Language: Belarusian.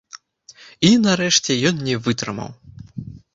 І, нарэшце, ён не вытрымаў.